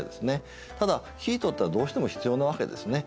ただ生糸ってのはどうしても必要なわけですね。